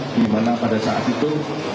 dimana pada saat itu